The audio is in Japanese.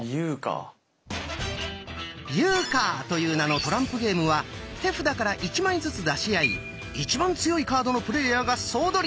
「ユーカー」という名のトランプゲームは手札から１枚ずつ出し合いいちばん強いカードのプレーヤーが総取り。